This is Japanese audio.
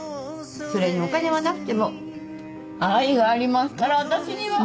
それにお金はなくても愛がありますから私には。